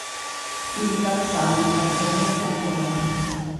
Ім таксама не патрэбныя праблемы.